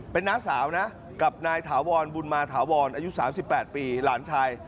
เป็นน้าสาวนะกับนายถาวรบุญมาถาวรอายุ๓๘ปีหลานชาย